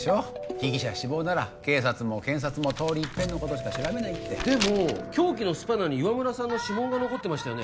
被疑者死亡なら警察も検察もとおりいっぺんのことしか調べないってでも凶器のスパナに岩村さんの指紋が残ってましたね